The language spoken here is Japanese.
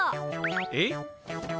えっ？